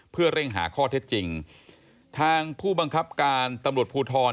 เพื่อเร่งหาข้อเท็จจริงทางผู้บังคับการตำรวจภูทร